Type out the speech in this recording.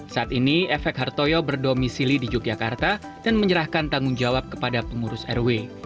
saat ini efek hartoyo berdomisili di yogyakarta dan menyerahkan tanggung jawab kepada pengurus rw